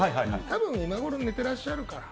多分、今ごろ寝てらっしゃるから。